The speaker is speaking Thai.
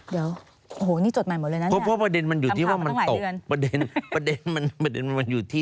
เดี๋ยวโอ้โหนี่จดหมายหมดเลยนะ